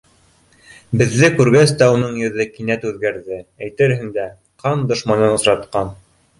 Беҙҙе күргәс тә уның йөҙө кинәт үҙгәрҙе, әйтерһең дә, ҡан дошманын осратҡан.